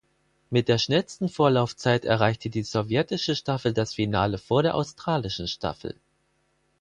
Mit der schnellsten Vorlaufzeit erreichte die sowjetische Staffel das Finale vor der australischen Staffel.